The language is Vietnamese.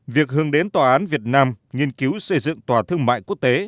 việc hướng đến tòa án việt nam nghiên cứu xây dựng tòa thương mại quốc tế